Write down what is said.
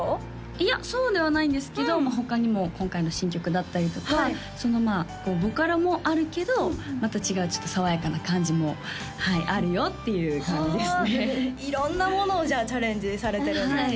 いやそうではないんですけど他にも今回の新曲だったりとかボカロもあるけどまた違うちょっと爽やかな感じもあるよっていう感じですね色んなものをじゃあチャレンジされてるんですね